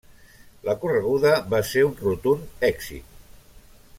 La correguda va ser un rotund èxit.